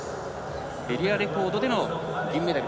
エリアレコードでの銀メダル。